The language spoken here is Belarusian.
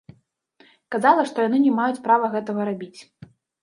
Казала, што яны не маюць права гэтага рабіць.